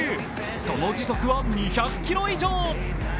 その時速は２００キロ以上。